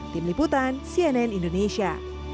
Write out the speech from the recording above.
tim liputan cnn indonesia